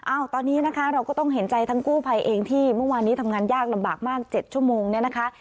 ตอนนี้นะคะเราก็ต้องเห็นใจทั้งกู้ภัยเองที่เมื่อวานนี้ทำงานยากลำบากมาก๗ชั่วโมงเนี่ยนะคะ